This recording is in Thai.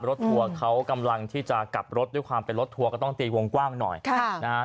ทัวร์เขากำลังที่จะกลับรถด้วยความเป็นรถทัวร์ก็ต้องตีวงกว้างหน่อยค่ะนะฮะ